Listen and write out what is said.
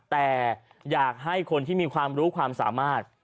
แต่อยากให้คนที่มีความรู้ความสามารถ